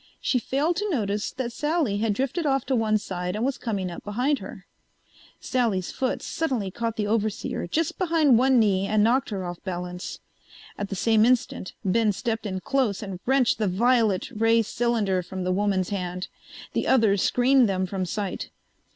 She failed to notice that Sally had drifted off to one side and was coming up behind her. Sally's foot suddenly caught the overseer just behind one knee and knocked her off balance. At the same instant Ben stepped in close and wrenched the violet ray cylinder from the woman's hand. The others screened them from sight.